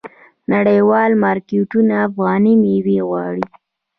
نړیوال مارکیټونه افغاني میوې غواړي.